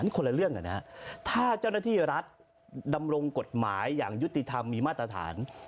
คนละเรื่องถ้าเจ้าหน้าที่รัฐดำรงกฎหมายอย่างยุติธรรมมีมาตรฐาน